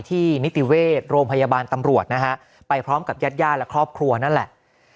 นิติเวชโรงพยาบาลตำรวจนะฮะไปพร้อมกับญาติญาติและครอบครัวนั่นแหละ